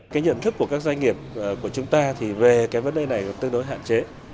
cái nhận thức của các doanh nghiệp của chúng ta thì về cái vấn đề này tương đối hạn chế